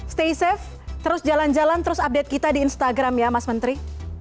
stay safe terus jalan jalan terus update kita di instagram ya mas menteri